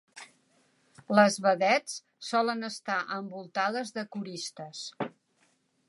Les vedets solen estar envoltades de coristes.